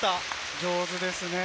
上手ですね。